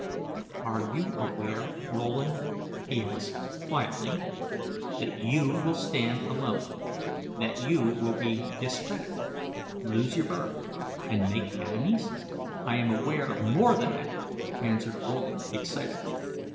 "Are you aware, Rowland," he asked, quietly, "that you will stand alone that you will be discredited, lose your berth, and make enemies?" "I am aware of more than that," answered Rowland, excitedly.